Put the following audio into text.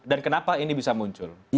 kenapa ini bisa muncul